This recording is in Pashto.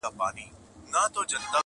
چي خوشحال په زړه زخمي ورڅخه ولاړی؛